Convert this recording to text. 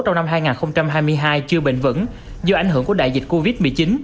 trong năm hai nghìn hai mươi hai chưa bền vững do ảnh hưởng của đại dịch covid một mươi chín